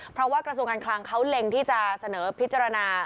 เพราะว่ากระทรวงการคลังเขาเล็งที่จะเสนอพิจารณา